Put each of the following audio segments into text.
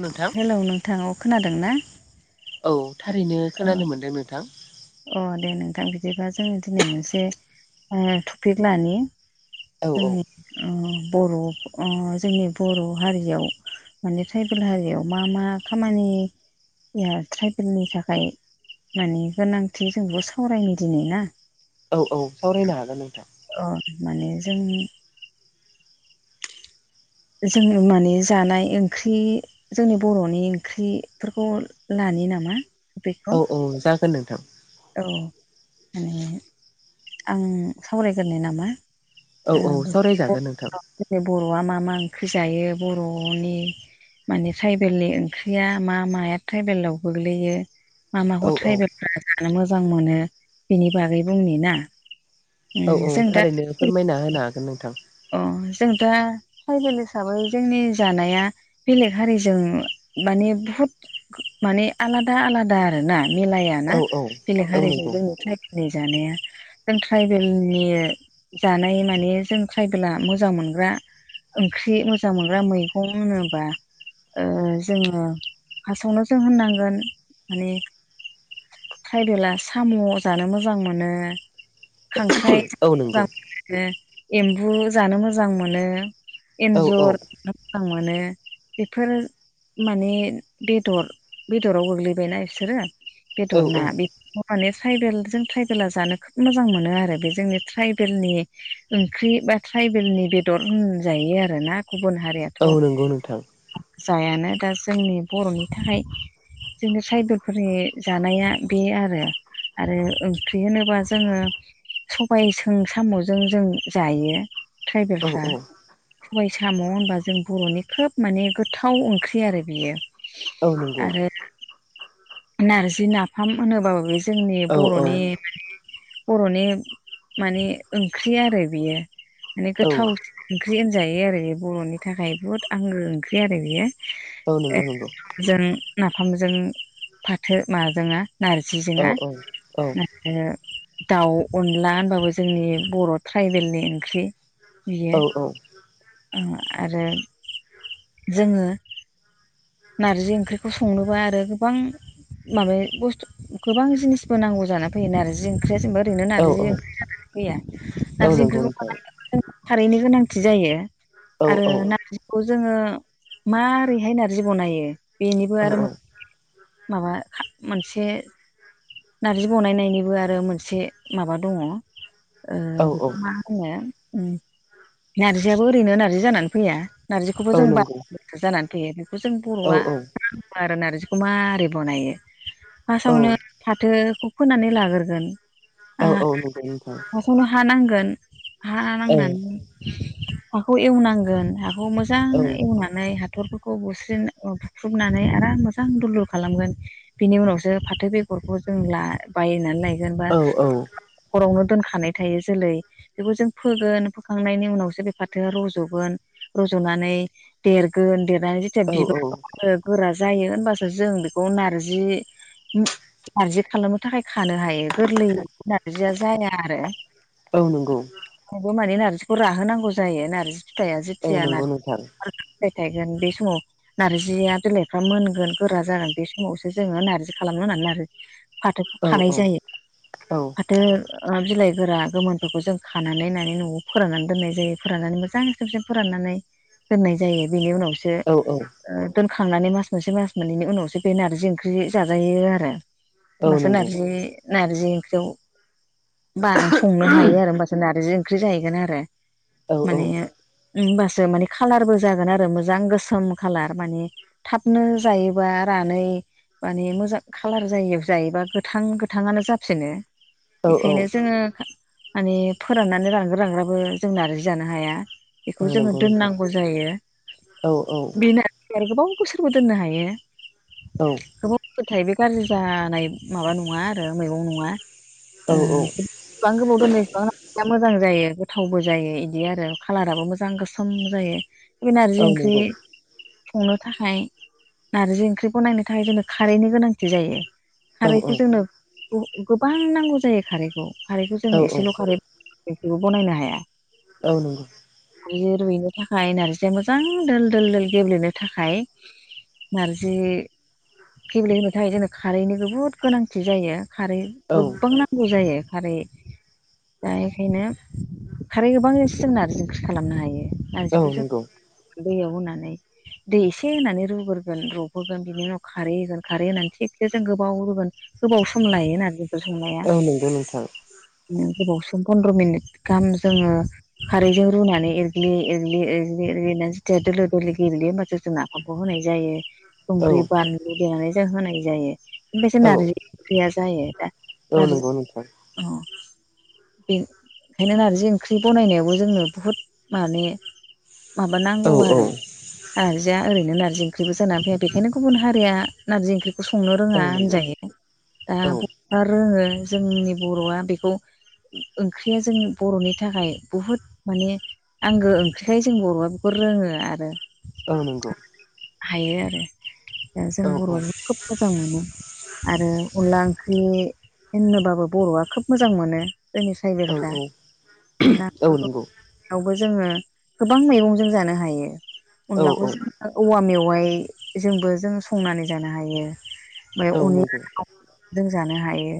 नोंथां हेलौ नोंथां अ खोनादों ना औ थारैनो खोनानो मोनदों नोंथां अ दे नोंथां बिदिबा जों दिनै मोनसे टपिक लानि औ औ जोंनि बर' जोंनि बर' हारियाव माने ट्राइबेल हारियाव मा मा खामानि ट्राइबेलनि थाखाय माने गोनांथि जोंबो सावरायनो दिनै ना औ औ सावरायनो हागोन नोंथां अ माने जों जोङो माने जानाय ओंख्रि जोंनि बर'नि ओंख्रिफोरखौ लानो नामा बेखौ औ औ जागोन नोंथां औ माने आं सावरायग्रोनि नामा औ औ सावरायजागोन नोंथां बर'आ मा मा ओंख्रि जायो बर'नि माने ट्राइबेलनि ओंख्रिया मा माया ट्राइबेलाव गोग्लैयो मा औ माखौ औ ट्राइबेलफ्रा जानो मोजां मोनो बिनि बागै बुंनि ना उम औ औ जों दा थारैनो फोरमायना होनो हागोन नोंथां अ जों दा ट्राइबेल हिसाबै जोंनि जानाया बेलेग हारिजों माने बुहुत माने आलादा आलादा आरो ना मिलाया औ ना औ बेलेग औ हारिजों नंगौ जोंनि ट्रायबेल नि जानाया जों ट्राइबेलनि जानाय माने जों ट्राइबेला मोजां मोनग्रा ओंख्रि मोजां मोनग्रा मैगं होनोब्ला जोङो फार्स्टआवनो जों होननांगोन माने ट्राइबेला साम' जानो मोजां मोनो खांख्राइ औ नंगौ जानो मोजां मोनो एम्बु जानो मोजां मोनो औ औ एन्जर मोजां मोनो बेफोर माने बेदर बेदराव गोग्लैबायना बिसोरो औ बेदर ना औ बे माने ट्राइबेल जों ट्राइबेला जानो खोब मोजां मोनो आरो बे जोंनि ट्राइबेलनि ओंख्रि बा ट्राइबेलनि बेदर होनजायो आरोना गुबुन हारिया औ नंगौ नोंथां। जायानो दा जोंनि बर'नि थाखाय जोंनि ट्राइबेलफोरनि जानाया बे आरो आरो ओंख्रि होनोबा जोङो सबाइजों साम'जों जों जायो औ ट्राइबेलफ्रा। औ सबाय साम' होनबा जों बर'नि खोब माने गोथाव ओंख्रि आरो बेयो औ नंगौ आरो नारजि नाफाम होनोबाबो जोंनि औ औ बर'नि माने बर'नि माने ओंख्रि आरो बेयो माने गोथाव औ ओंख्रि होनजायो आरो बे बर'नि थाखाय बुहुत आंगो ओंख्रि आरो बेयो। औ नंगौ नंगौ जों नाफामजों फाथो माबाजोंना नारजिजों औ ओ औ औ आरो दाउ अनला होनबाबो जोंनि बर' ट्राइबेलनि ओंख्रि। औ बियो औ ओ आरो जोङो नारजि ओंख्रिखौ संनोबा आरो गोबां माबाया बुस्थु गोबां जिनिसबो नांगौ जानानै फैगोन आरो जों ओंख्रिया जेनबा ओरैनो औ नारजि ओंख्रि जानानै फैया औ नारजि नंगौ ओंख्रिखौ नोंथां बानायनो खारैनि गोनांथि जायो औ आरो औ नारजि खौ जोङो माबारैहाय नारजि बनायो बेनिबो औ आरो माबा मोनसे नारजि बनायनायनिबो आरो मोनसे माबा दङ ओ औ बेखौ मा होनो नारजियाबो ओरैनो नारजि जानानै फैया। नारजिखौबो औ जों नंगौ [unintelligible] जानानै फैयो बेखौ जों औ बर'आ आरो नारजिखौ माबारै बनायो औ फास्टावनो फाथोखौ फोनानै लाग्रोगोन। औ औ नंगौ नोंथां। फार्स्टावनो हानांगोन हा औ नांनानै हाखौ एवनांगोन हा खौ मोजां औ एवना नै हाथरफोरखौ बुस्रि बुख्रुबनानै आराम मोजां दुल दुल खालामगोन। बिनि उनावसो फाथो बेगरखौ जों ला बायनानै लायगोन बा औ नवावनो दोनखानाय थायो जोलै। बेखौ जों फोगोन फोखांनायनि उनावसो बे फाथोआ रज'गोन। रज'नानै देरगोन देरनानै जेथिया औ औ बिबार गोरा जायो होनबासो जों बेखौ नारजि नारजि खालामनो थाखाय खानो हायो गोरलै नारजिया जाया आरो औ नंगौ थेवबो माने नारजिखौ राहोनांगौ जायो नारजि फिथाइआ औ जेथिया नार नंगौ नोंथां [unintelligible] फिथाइ थाइगोन बे समाव नार्जिया बिलाइफ्रा मोनगोन गोरा जागोन बे समावसो जोङो नार्जि खालामनो होननानै नारजि फाथोखौ औ खानाय औ जायो औ फाथो ओ बिलाइ गोरा गोमोन फोरखौ जों खानानै होननानै न'वाव फोराननानै दोननाय जायो फोराननानै मोजां खेबसे फोराननानै दोननाय जायो बेनि उनाव सो औ औ ओ दोनखांनानै मास मोनसे मास मोननैनि उनावसो बे नार्जि ओंख्रि जाजायो आरो। औ ओमबासो नंगौ नारजि नारजि ओंख्रियाव बा संनो हायो आरो ओमबा सो नारजि ओंख्रि जाहैगोन आरो औ औ माने ओमबासो माने खालारबो जागोन आरो मोजां गोसोम खाालार माने थाबनो जायोबा रानै माने मोजां खालार जायियाव जायोबा गोथां गोथाङानो जाफिनो। औ बेखायनो औ जोङो माने फोराननानै रानग्रो रानग्राबो जों नारजि जानो हाया। औ बेखौ जोङो नंगौ नोंथां दोननांगौ जायो औ औ बे ना आरो गोबां बोसोरबो दोननो हायो। औ गोबाव रूबाथाय बे गाज्रि जानाय माबा नङा आरो मैगं नङा औ ओ जेसेबां गोबाव दोनो इसेबां मोजां जायो गोथावबो जायो इदि आरो खालाराबो मोजां गोसोम जायो बे नारजि औ ओंख्रि नंगौ संनो थाखाय नारजि ओंख्रिखौ नायनो थाखाय जोंनो खारैनि गोनांथि जायो औ खारैखौ जोंनो गोबां नांगौ जायो खारैखौ खारैखौ जों औ औ एसेल' खारै बेखौबो बनायनो हाया। औ नंगौ। बिदिनो रुइनो थाखाय नारजिया मोजां दोल दोल दोल गेब्लेनो थाखाय नारजि गेब्ले होनो थाखाय जोंनो खारैनि बुहुद गोनांथि जायो खारै औ गोब्बां नांगौ जायो खारै दा एखायनो खारै गोबांजोंसो नारजि ओंख्रि खालामनो हायो औ नारजिखौ जों नंगौ दैयाव होनानै दै इसे होनानै रुग्रोगोन रबहोगोन बिनि उनाव खारै होगोन खारै होनानै थिखसे जों गोबाव रुगोन गोबाव सम लायोना बेखौ संनाया औ नंगौ नोंथां बिदिनो गोबाव सम पन्द्र' मिनिट गाहाम जोङो खारैजों रुनानै एरग्लि एरग्लि एरग्लि एरग्लिनानै जेथिया दोलो दोलो गेब्लेयो होमबाथाय जोंना जब' होनाय जायो। औ संख्रि, बानलु देनानै जों होनाय जायो ओमफ्रायसो औ नारजि ओंख्रिया जायो। दा औ नारजि नोंगौ नोंथां। अ बे ओंखायनो नारजि ओंख्रि बनायनायावबो जोंनो बुहुद माने माबा नांगौ औ औ आरो नारजिया ओरैनो नारजि ओंख्रिबो जाना फैया बेखायनो गुबन हारिया नारजि ओंख्रि खौ संनो औ रोङा नंगौ होनजायो दा औ बर'आ रोङो जोंनि बर'आ बेखौ ओंख्रिया जोंनि बर'नि थाखाय बुहुद माने आंगो ओंख्रिखाय जों बर'आ बेखौ रोङो आरो औ नंगौ हायो आरो दा जों औ औ बर'आ औ खोब मोजां मोनो आरो अनला ओंख्रि होननोबाबो बर'आ खोब मोजां मोनो जोंनि ट्राइबेलफ्रा औ अनला औ ओंख्रिखौ नंगौ यावबो जोङो गोबां मैगंजों जानो हायो औ अनलाखौ जों औवा मेवाइजोंबो जों संनानै जानो हायो ओमफ्राय औ नंगौ अनला दाउ जों जानो हायो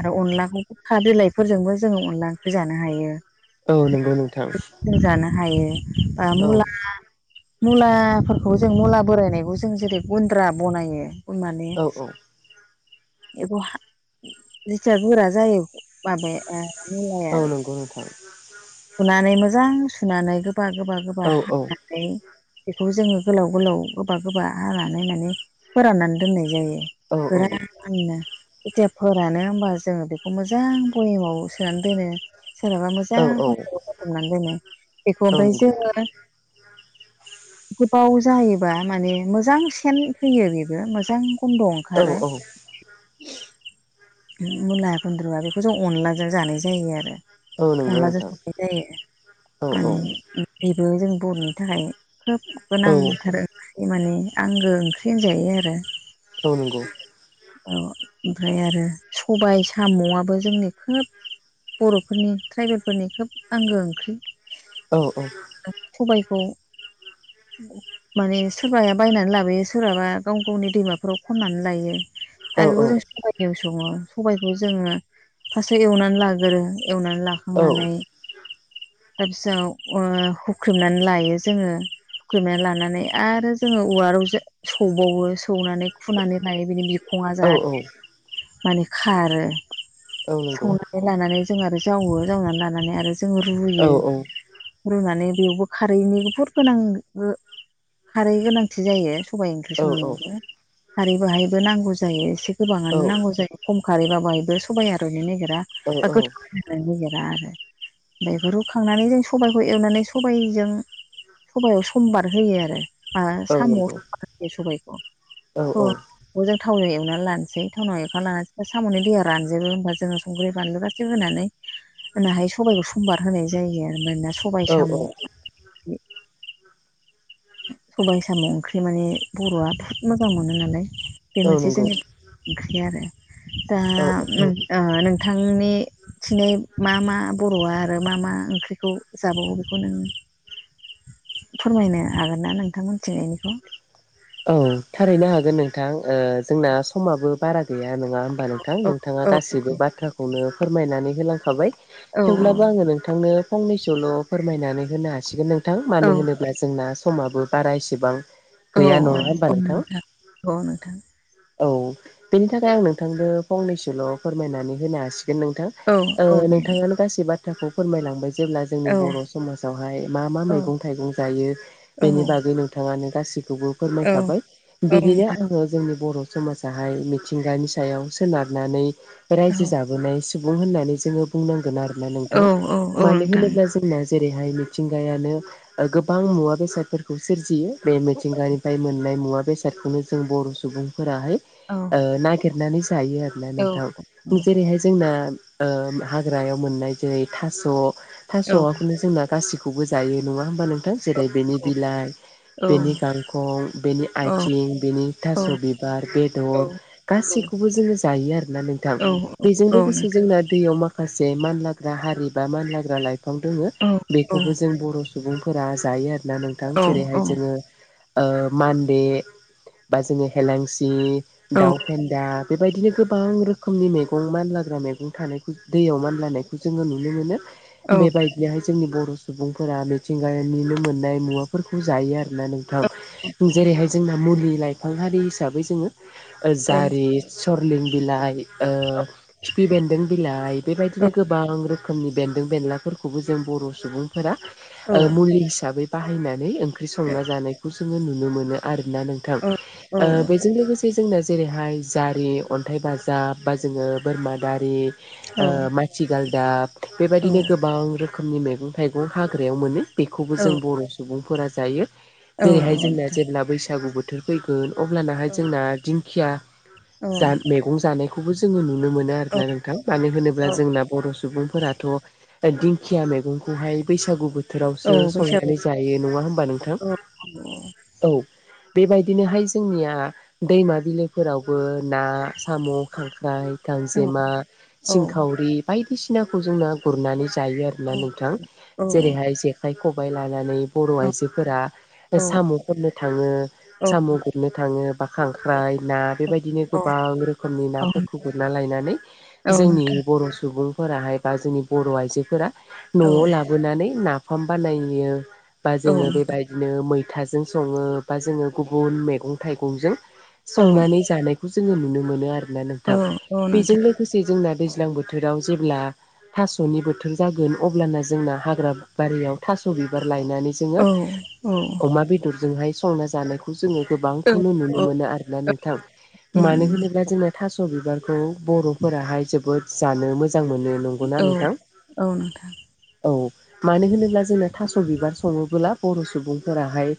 आरो अनलाखौ गोखा बिलाइफोरजोंबो जोङो अनदला ओंख्रि जानो हायो औ नंगौ नोंथां जों जानो हायो बा मुला औ मुलाफोर खौ जों मुला बोरायनायखौ जों जेरै गुन्द्रा बनायो माने औ औ एब हा जेथिया गोरा जायो माबाया ओ मिलाया औ आरो नंगौ नोंथां सुनानै मोजां सुनानै गोबा गोबा गोबा औ हानानै बेखौ जोङो गोलाव गोलाव गोबा गोबा हानानै माने फोराननानै दोननाय जायो औ बिराद आंनो थिया फोरानो होमबा जोङो बेखौ मोजां भयेमाव सोनानै दोनो सोरहाबा औ मोजां फ्लासथिगाव खाथ'बनानै दोनो बेखौ औ ओमफाय नंगौ जोङो बाव जायोबा माने मोजां सेन फैयो बेबो मोजां गन्द' औ ओंखारो औ मुला गुन्द्रुआ बेखौ जों अनलाजों जानाय जायो आरो औ नंगौ अनलाजों नोंथां संनाय जायो औ औ माने बेबो जों बर'नि थाखाय खोब औ गोनांथार ओंख्रि बे माने आंगो ओंख्रि होनजायो आरो औ नंगौ औ ओमफ्राय आरो सबाय साम'आबो जोंनि खोब बर'फोरनि ट्राइबेलफोरनि खोब आंगो ओंख्रि। औ औ सबायखौ माने सोरबाया बायनानै लाबोयो सोरबाबा गाव गावनि दैमाफोराव खन्नानै लायो। औ आरो बेखौ जों सबाइजों सङो सबायखौ जोङो फार्स्टआव एवनानै लागोरो एवनानै औ लाखांनानै नंगौ फारसाव हुख्रेमनानै लायो जोङो। हुख्रेमना लानानै आरो जोङो उवाराव सौबावो सौनानै खुनानै लायो बिनि बिखङा औ जाहाथे माने खारो। औ नंगौ बेफ्राय लानानै जों आरो जावो जावनानै लानानै आरो जोङो रुयो रुनानै बेयावबो खारैनि बुहुर गोनां खारै गोनांथि जायो। सबायाइ ओंख्रि संनायावबो खारै बाहायबो नांगौ जायो एसे औ गोबाङानो नांगौ जायो। खम खारैबा बाहायबो सबाइ आर'नो नागिरा बा औ नंगौ औ गोथाव नागिरा आरो ओमफ्राय बेखौ रुखांनानै जों सबाइखौ एवनानै सबायजों सबयाव समबार होयो आरो माबा औ साम'आव समबार होयो सबायखौ। बेखौ जों थावनाव एवनानै लानोसै थावनाव एवनानै लानोसै साम'नि दैया रानजोबो होनबा जोङो संख्रि बानलु गासो होनानै होन हायो सबाइखौ समबार होनाय जायो आरो मानोना सबाय साम' सबायाइ साम' ओंख्रि माने बर'आ थाद मोजां मोनो नालाय बे मोनसे नंगौ जोंनि ओंख्रि आरो दा औ औ ओ नोंथांनि थिनै मा मा बर'आ आरो मा मा ओंख्रिखौ जाबावो बेखौ नों फोरमायनो हागोन ना नोंथांमोनि थिंजायनिखौ औ थारैनो हागोन नोंथां जोंना ओ जोंना समाबो बारा गैया नङा होमबा नोंथां औ नोंथाङा औ गाससिबो बाथ्राखौनो फोरमायनानै होलांखाबाय। औ थेवब्लाबो आङो नोंथांनो फंनैसल' फोरमायनानै होनो हासिगोन नोंथां औ मानो होनोब्ला जोंना समाबो बारा इसेबां औ औ औ नोंथां औ नोंथां औ बेनि थाखाय आं नोंथांनो फंनैसोल' फोरमायनानै होनो हासिगोन नोंथां। औ ओ औ बेनो नोंथाङानो गासै बाथ्राखौ फोरमायलांबाय जेब्ला जोंनि औ बर' समाजावहाय मा मा औ मैगं थाइगं जायो औ बेनि बागै नोंथाङानो गासि खौ औ फोरमायखाबाय औ बिदिनो नोंथां आङो जोंनि बर' समाजाहाय मिथिंगानि सायाव सोनारनानै औ रायजो जाबोनाय सुबुं होननानै जोङो बुंनांगोन आरोना औ नोंथां औ औ मानो नोंथां होनोब्ला ना जेरैहाय मिथिंगायानो गोबां मुवा बेसादफोरखौ सोरजियो बे थिंगानिफ्राय मोननाय मुवा बेसादखौनो जों बर' सुबुंफोराहाय औ ओ ना नागिरनानै जायो आरो ना औ नोंथां जेरैहाय जोंना ओ हाग्रायाव मोननाय जेरै थास' थास'खौनो जोंना गासिखौबो जायो नङा होमबा नोंथां जेरै बेनि बिलाइ बेनि गांखं बेनि आथिं बेनि थास' बिबार बेदर गासैखौबो जोङो जायो आरोना नोंथां औ औ बेजों लोगोसे जोंना दैयाव मा माखासे मानलाग्रा हारि बा मानलाग्रा लाइफां दङ बेखौबो जों बर' सुबुंफोरा जायो आरोना नोंथां जेरैहाय जोङो ओ मान्दे बा जोङो हेलांसि दाउ फेन्दा बेबायदिनो गोबां रोखोमनि मैगं मानलाग्रा मैगं थानायखौ दैयाव मानलानायखौ जोङो नुनो मोनो। बेबायदिनोहाय जोंनि बर' सुबुंफोरा मिथिंगानिनो मोननाय मुवाफोरखौ जायो आरोना नों जेरैहाय जोंना मुलि लाइफां हारि हिसाबै जोङो जारि सरलिं बिलाइ खिफि बेन्दों बिलाइ बेबायदिनो गोबां रो खोमनि बेदों बेलाफोरखौबो जों बर' सुबुंफोरा मुलि हिसाबै बाहायनानै ओंख्रि संना जानायखौ जोङो नुनो मोनो आरोना नोंथां बेजों लोगोसे ओमफ्राय जोंना जेरैहाय जारि अन्थाइ बाजाब बा जोङो बोरमा दारि माथिगालदाब बेबायदिनो गोबां रोखोमनि मैगं थाइगं हाग्रायाव मोनो। बेखौबो जों बर' सुबुंफोरा जायो। जेरैहाय जोंना जेब्ला बैसागु बोथोर फैगोन अब्लानाहाय जोंना दिंखिया मैगं जानायखौबो जोङो नुनो मोनो। मोनो आरोना नोंथां मानो औ होनोब्ला जोंना बर' सुबुंफोराथ' दिंखिया मैगंखौहाय बैसागु औ बोथोरावसो बैसागु संनानै जायो नङा होमबा नोंथां। औ औ औ बेबायदिनोहाय जोंनिया दैमा बिलोफोरावबो ना साम' खांख्राइ गांजेमा सिंखावरि बायदिसिनाखौ जोंना गुरनानै जायो आरो। औ नोंथां औ जेरैहाय जेखाइ खबाइ लानानै बर' औ आइजोफोरा औ सामखननो थाङो। औ साम' गुरनो थाङो बा खांख्राइ ना बेबायदिनो औ गोबां रोखोमनि औ नाफोरफोरखौ गुरना लायनानै औ जोंनि नोंथां बर' सुबुंफोराहाय बा जोंनि बर' आइजोफोरा औ न'आव लाबोनानै नाफाम बानायो। बा औ जोङो बेबायदिनो मैथाजों सङो बा जोङो गुबुन मैगं थाइगंजों औ संनानै जानायखौ जोङो नुनो मोनो आरोना औ नोंथां औ बेजों नोंथां लोगोसे लोगोसे जोंना दैज्लां बोथोराव जेब्ला थास'नि बोथोर जागोन अब्लाना जोंना हाग्रा बारियाव थास' बिबार लायनानै जोङो औ औ अमा बेदरजोंहाय संना जानाय जोङो औ गोबांखौनो औ नुनो मोनो आरोना नोंथां उम मानो उम होनोब्ला जोङो थास' बिबारखौ बर'फोराहाय जोबोद जानो मोजां मोनो। नंगौना औ नोंथां? नोंथां। औ मानो होनोब्ला जोंनो थास' बिबार सङोबोला बर' सुबुं फोराहाय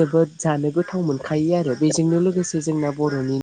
जोबोद जानो गोथाव मोनखायो आरो बेजोंनो लोगोसे जोंना बर'नि